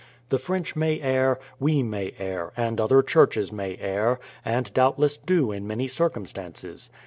The French may err, we may err, and other Churches may err, and doubtless do in many circumstances.